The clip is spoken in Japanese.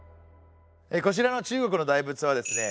こちらの中国の大仏はですね